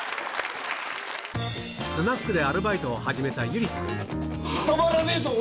スナックでアルバイトを始め止まらねえぞ。